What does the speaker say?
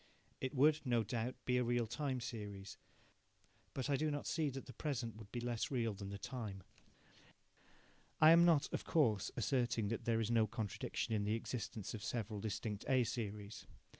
It would, no doubt, be a real time series, but I do not see that the present would be less real than the time. I am not, of course, asserting that there is no contradiction in the existence of several distinct A series.